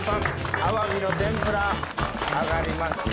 アワビの天ぷら揚がりました。